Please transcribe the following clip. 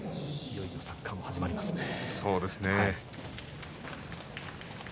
いよいよサッカーも始まりますね。